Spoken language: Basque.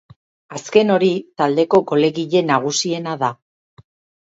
Azken hori, taldeko golegile nagusiena da.